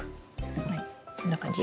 はいこんな感じ。